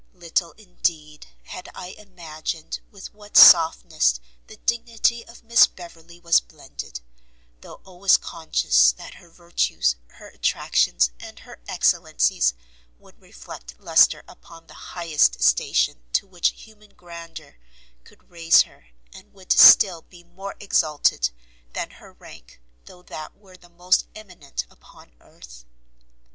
Little, indeed, had I imagined with what softness the dignity of Miss Beverley was blended, though always conscious that her virtues, her attractions, and her excellencies, would reflect lustre upon the highest station to which human grandeur could raise her, and would still be more exalted than her rank, though that were the most eminent upon earth.